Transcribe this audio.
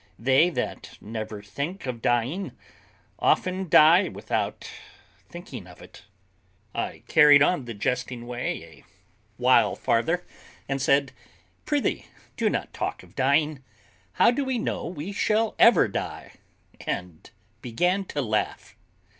They that never think of dying, often die without thinking of it." I carried on the jesting way a while farther, and said, "Prithee, do not talk of dying; how do we know we shall ever die?" and began to laugh.